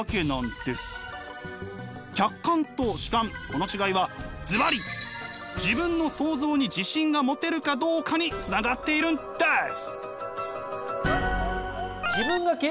この違いはズバリ自分の想像に自信が持てるかどうかにつながっているんです！